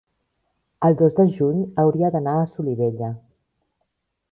el dos de juny hauria d'anar a Solivella.